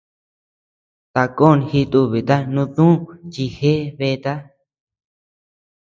Takon jitubita nutdüu chi jeʼe bëta.